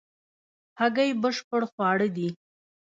هګۍ بشپړ خواړه دي